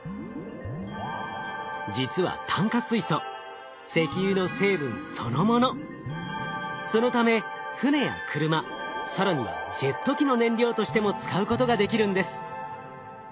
実は炭化水素そのため船や車更にはジェット機の燃料としても使うことができるんです。